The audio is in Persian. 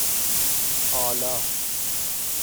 ئالا